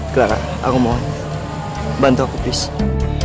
clara aku mohon bantu aku please